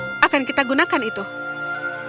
saya akan mencari tanah di selatan